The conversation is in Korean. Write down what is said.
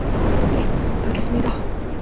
예, 알겠습니다!